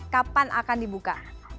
kapan akan dibuka